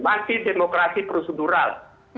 masih demokrasi prosedural